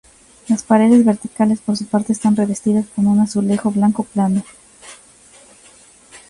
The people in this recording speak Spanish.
Las paredes verticales, por su parte, están revestidas con un azulejo blanco plano.